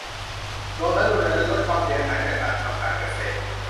รวมทั้งดูแลและลดความเสียหายจากการทำการเกษตร